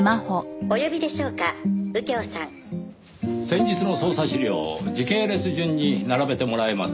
先日の捜査資料を時系列順に並べてもらえますか？